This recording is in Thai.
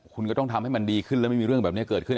คุณก็ต้องทำให้มันดีขึ้นแล้วไม่มีเรื่องแบบนี้เกิดขึ้น